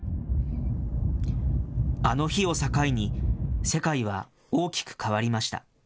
あの日を境に、世界は大きく変わりました。